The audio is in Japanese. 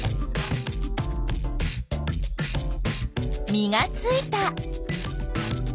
実がついた。